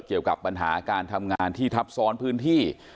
เกี่ยวกับปัญหาการทำงานที่ทับซ้อนพื้นที่